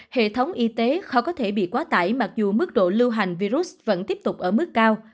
hệ thống y tế khó có thể bị quá tải mặc dù mức độ lưu hành virus vẫn tiếp tục ở mức cao